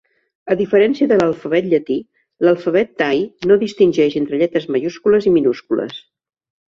A diferència de l'alfabet llatí, l'alfabet tai no distingeix entre lletres majúscules i minúscules.